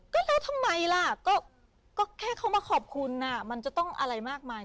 ก็แล้วทำไมล่ะก็แค่เขามาขอบคุณมันจะต้องอะไรมากมาย